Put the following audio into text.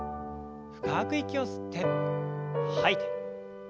深く息を吸って吐いて。